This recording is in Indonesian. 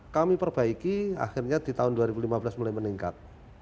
kami perbaiki akhirnya di tahun dua ribu lima belas mulai meningkat